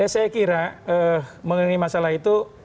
saya kira mengenai masalah itu